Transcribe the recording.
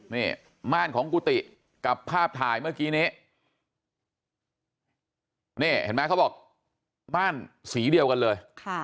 นี่ม่านของกุฏิกับภาพถ่ายเมื่อกี้นี้นี่เห็นไหมเขาบอกม่านสีเดียวกันเลย